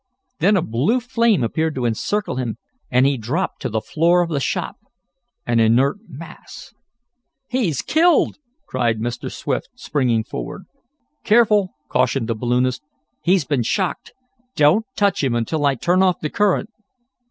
Then a blue flame appeared to encircle him and he dropped to the floor of the shop, an inert mass. "He's killed!" cried Mr. Swift, springing forward. "Careful!" cautioned the balloonist. "He's been shocked! Don't touch him until I turn off the current!"